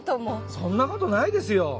そんなことないですよ。